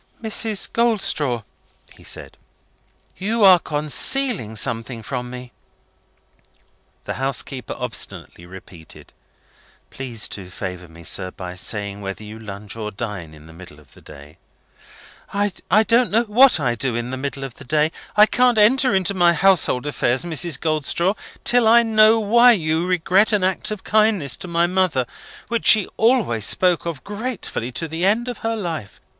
"Mrs. Goldstraw," he said, "you are concealing something from me!" The housekeeper obstinately repeated, "Please to favour me, sir, by saying whether you lunch, or dine, in the middle of the day?" "I don't know what I do in the middle of the day. I can't enter into my household affairs, Mrs. Goldstraw, till I know why you regret an act of kindness to my mother, which she always spoke of gratefully to the end of her life.